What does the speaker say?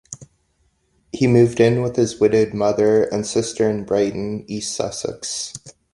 He moved in with his widowed mother and sister in Brighton, East Sussex.